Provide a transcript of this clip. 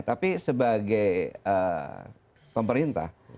tapi sebagai pemerintah